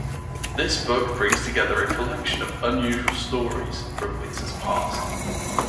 This book brings together a collection of unusual stories from Windsor's past.